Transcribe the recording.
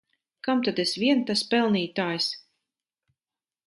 Kam tad es vien tas pelnītājs!